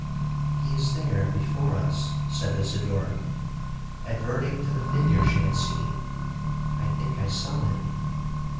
'He is there before us,' said Isidora, adverting to the figure she had seen; 'I think I saw him.'